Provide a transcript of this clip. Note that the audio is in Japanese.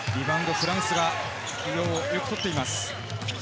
フランスがよく取っています。